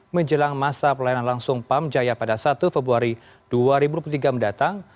menjelang masa pelayanan langsung pamjaya pada satu februari dua ribu dua puluh tiga mendatang